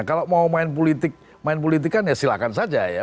kalau mau main politik main politikan ya silahkan saja ya